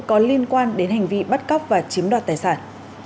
có liên quan đến hành vi bắt cóc và chiếm đoạt tài sản